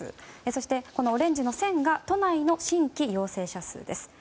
そして、オレンジの線が都内の新規陽性者数です。